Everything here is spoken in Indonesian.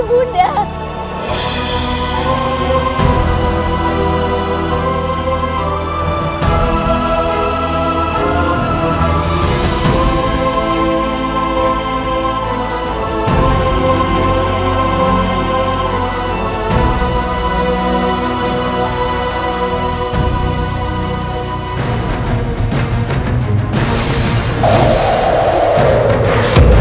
kamu pergi meninggalkan kami